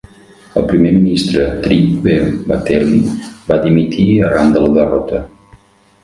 El primer ministre Trygve Bratteli va dimitir arran de la derrota.